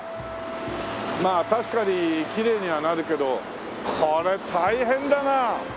まあ確かにきれいにはなるけどこれ大変だな。